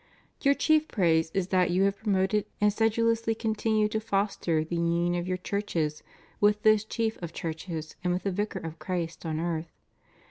Your chief praise is that you have promoted and sedu lously continue to foster the union of your churches with this chief of churches and with the Vicar of Christ on earth.